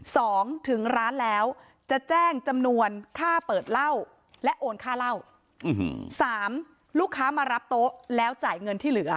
ถึงร้านแล้วจะแจ้งจำนวนค่าเปิดเหล้าและโอนค่าเหล้าสามลูกค้ามารับโต๊ะแล้วจ่ายเงินที่เหลือ